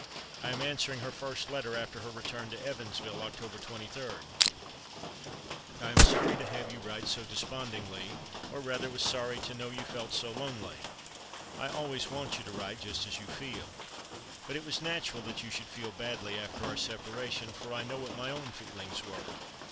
I am answering her first letter after her return to Evansville, October 23: "I am sorry to have you write so despondingly, or rather was sorry to know you felt so lonely (I always want you to write just as you feel). But it was natural that you should feel badly after our separation, for I know what my own feelings were.